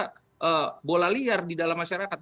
baru lagi ada bola liar di dalam masyarakat